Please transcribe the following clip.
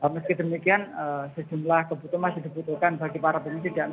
meski demikian sejumlah kebutuhan masih dibutuhkan bagi para pengungsi